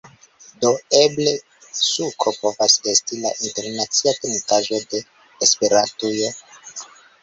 Do, eble suko povas esti la internacia trinkaĵo de Esperantujo